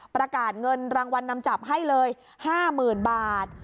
ประกาศเงินรางวัลนำจับให้เลย๕๐๐๐บาท